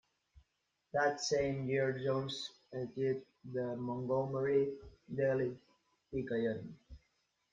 That same year Jones edited the Montgomery Daily Picayune.